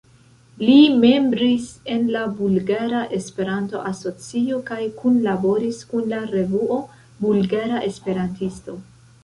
Li membris en la Bulgara Esperanto-Asocio kaj kunlaboris kun la revuo "Bulgara Esperantisto".